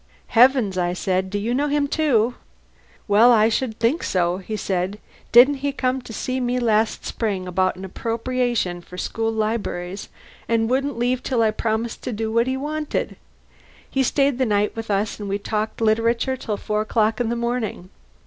"Heavens!" I said. "Do you know him, too?" "Well, I should think so," he said. "Didn't he come to see me last spring about an appropriation for school libraries, and wouldn't leave till I'd promised to do what he wanted! He stayed the night with us and we talked literature till four o'clock in the morning.